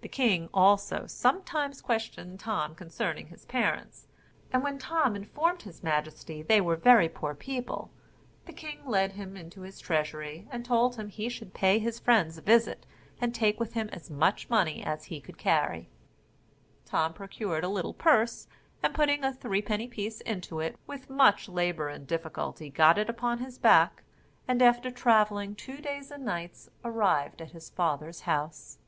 The king also, sometimes questioned Tom concerning his parents; and when Tom informed his majesty they were very poor people, the king led him into his treasury, and told him he should pay his friends a visit, and take with him as much money as he could carry. Tom procured a little purse, and putting a threepenny piece into it, with much labour and difficulty got it upon his back; and, after travelling two days and nights, arrived at his father's house.